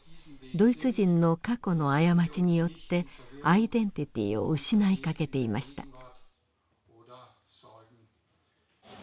ドイツ人の過去の過ちによってアイデンティティーを失いかけていました。